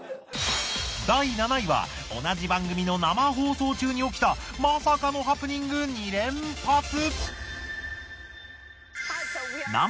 第７位は同じ番組の生放送中に起きたまさかのハプニング２連発。